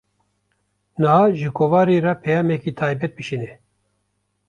Niha, ji kovarê re peyameke taybet bişîne